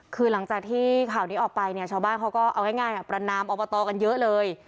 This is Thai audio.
คือหลังจากที่ข่าวนี้ออกไปเนี่ยชาวบ้านเขาก็เอาง่ายประนามอบตกันเยอะเลย